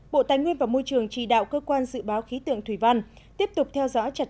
bộ tài nguyên và môi trường chỉ đạo cơ quan dự báo khí tượng thủy văn tiếp tục theo dõi chặt